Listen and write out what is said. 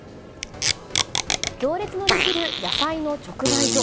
行列の出来る野菜の直売所。